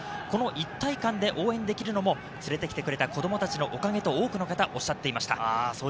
この一体感で応援できるのも連れて来てくれた子供たちのおかげと、多くの方がおっしゃっていました。